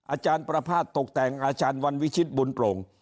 อาจารย์ประพาทตกแต่งอาจารย์วันวิชิตบุญโปร่ง